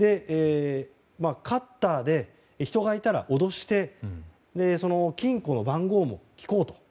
カッターで人がいたら脅して金庫の番号も聞こうと。